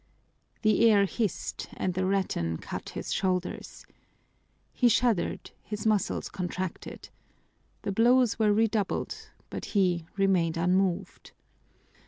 The air hissed and the rattan cut his shoulders. He shuddered, his muscles contracted. The blows were redoubled, but he remained unmoved.